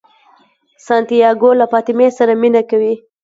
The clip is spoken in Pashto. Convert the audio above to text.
سانتیاګو له فاطمې سره مینه کوي.